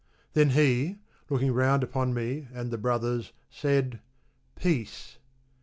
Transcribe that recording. Then he, looking round upon me and the brothers said, " Peace."